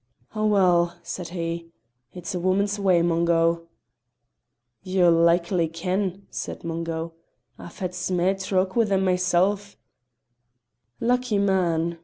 "Oh, well!" said he, "it's a woman's way, Mungo." "You'll likely ken," said Mungo; "I've had sma' troke wi' them mysel'." "Lucky man!